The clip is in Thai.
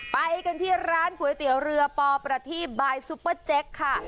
ไปกันที่ร้านก๋วยเตี๋ยวเรือปอประทีบายซุปเปอร์เจ็คค่ะ